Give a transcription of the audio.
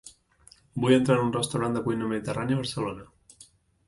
Vull entrar en un restaurant de cuina mediterrània a Barcelona.